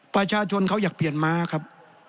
ประชาชนเขาอยากเปลี่ยนม้าครับ